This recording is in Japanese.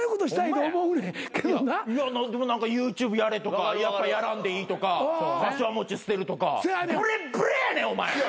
でもＹｏｕＴｕｂｅやれとかやっぱやらんでいいとかかしわ餅捨てるとかブレッブレやねんお前。